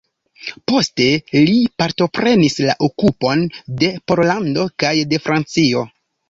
Poste li partoprenis la okupon de Pollando kaj de Francio.